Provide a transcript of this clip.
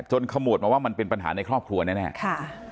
ขมวดมาว่ามันเป็นปัญหาในครอบครัวแน่ค่ะ